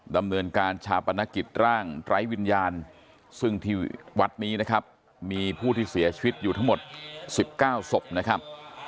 ดำเนินการชาปนกิจร่างไร้วิญญาณซึ่งที่วัดนี้นะครับมีผู้ที่เสียชีวิตอยู่ทั้งหมด๑๙ศพนะครับ